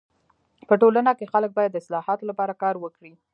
په ټولنه کي خلک باید د اصلاحاتو لپاره کار وکړي.